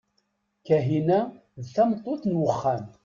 Kahina d tameṭṭut n uxxam.